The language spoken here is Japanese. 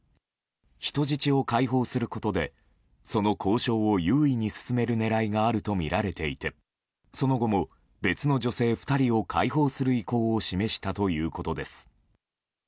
人質を解放することでその交渉を優位に進める狙いがあるとみられていてその後も別の女性２人を解放する意向を示したということです。